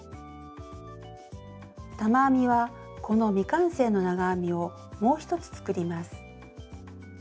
玉編みはこの未完成の長編みをもう一つ作ります。